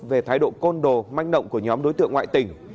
về thái độ côn đồ manh động của nhóm đối tượng ngoại tỉnh